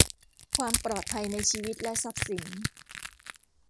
ความปลอดภัยในชีวิตและทรัพย์สิน